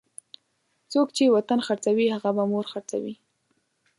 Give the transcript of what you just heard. څوک چې وطن خرڅوي هغه به مور خرڅوي.